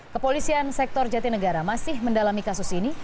kepolisian sektor jati negara masih mendalami kasus ini